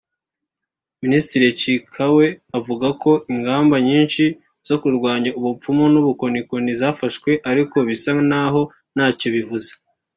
Minisitiri Chikawe avuga ko ingamba nyinshi zo kurwanya ubupfumu n’ubukonikoni zafashwe ariko bisa ntaho ntacyo bivuze